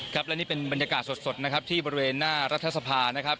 ครับและนี่เป็นบรรยากาศสดนะครับที่บริเวณหน้ารัฐสภานะครับ